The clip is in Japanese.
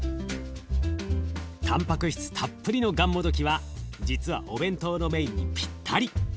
たんぱく質たっぷりのがんもどきは実はお弁当のメインにぴったり。